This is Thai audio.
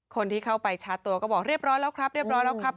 คนที่เข้าไปชาติตัวก็บอกเรียบร้อยแล้วครับ